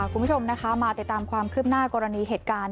คุณผู้ชมนะคะมาติดตามความคืบหน้ากรณีเหตุการณ์